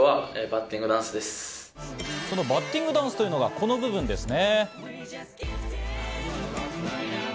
バッティングダンスというのはこの部分ですね。